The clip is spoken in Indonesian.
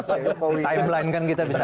timeline kan kita bisa